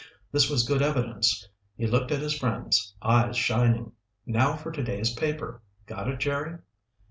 This was good evidence. He looked at his friends, eyes shining. "Now for today's paper. Got it Jerry?"